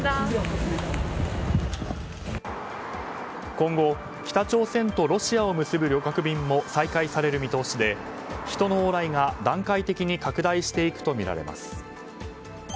今後、北朝鮮とロシアを結ぶ旅客便も再開される見通しで人の往来が段階的に拡大していくとみられます。